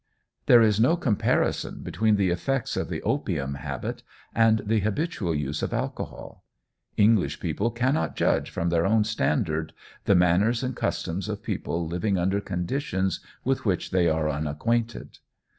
There is no comparison between the effects of the opium habit and the habitual use of alcohol. English people cannot judge from their own standard, the manners and customs of people living under conditions with which they are unacquainted.